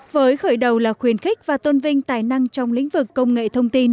với khởi đầu là khuyến khích và tôn vinh tài năng trong lĩnh vực công nghệ thông tin